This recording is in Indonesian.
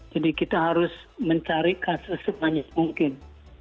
jadi kita harus mencari kasus sebanyak mungkin